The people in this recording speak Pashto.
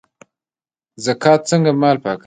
زکات څنګه مال پاکوي؟